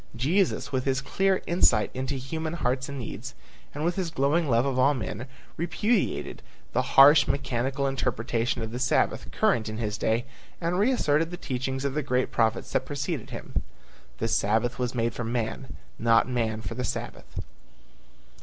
Jesus with his clear insight into human hearts and needs, and with his glowing love for men, repudiated the harsh, mechanical interpretation of the Sabbath current in his day and reasserted the teachings of the great prophets that preceded him; "The Sabbath was made for man, not man for the Sabbath."